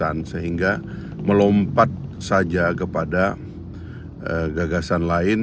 dan gagasan sehingga melompat saja kepada gagasan lain